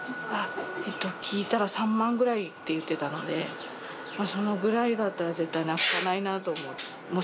聞いたら３万ぐらいって言ってたので、そのぐらいだったら絶対なくさないなと。